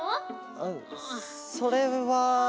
あそれは。